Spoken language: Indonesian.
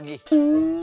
sampai jumpa lagi